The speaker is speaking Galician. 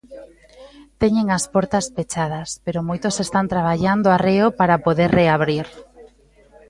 Teñen as portas pechadas, pero moitos están traballando a reo para poder reabrir.